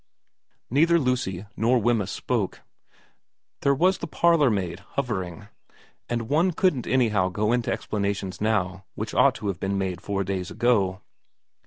Neither Lucy nor Wemyss spoke. There was the parlourmaid hovering, and one couldn't anyhow go into explanations now which ought to have been made four days ago.